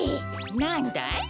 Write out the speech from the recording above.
なんだい？